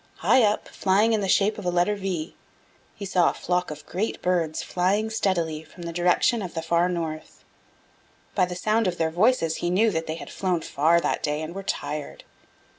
High up, flying in the shape of a letter V, he saw a flock of great birds flying steadily from the direction of the Far North. By the sound of their voices he knew that they had flown far that day and were tired.